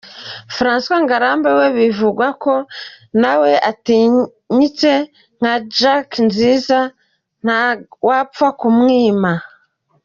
Francois Ngarambe we bivugwa ko nawe atinyitse nka Jack Nziza ntawapfa kumwima.